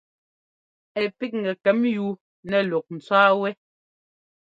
Ɛ píkŋɛ kɛm yú nɛ́ luk ńtwá wɛ́.